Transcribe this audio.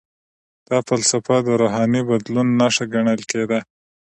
دا فلسفه د روحاني بدلون نښه ګڼل کیده.